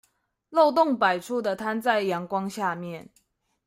漏洞百出的攤在陽光下面